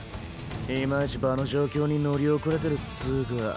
いまいち場の状況に乗り遅れてるっつぅか。